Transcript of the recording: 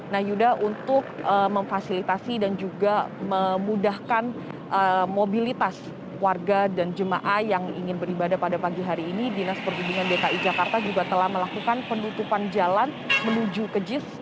nah yuda untuk memfasilitasi dan juga memudahkan mobilitas warga dan jemaah yang ingin beribadah pada pagi hari ini dinas perhubungan dki jakarta juga telah melakukan penutupan jalan menuju ke jis